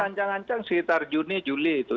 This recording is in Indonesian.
ancang ancang sekitar juni juli itu